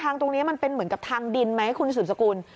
ตรงนี้มันเป็นเหมือนกับทางดินไหมคุณสืบสกุล